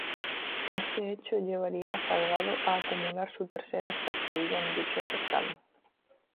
Este hecho llevaría a Salgado a acumular su tercera estatuilla en dicho certamen.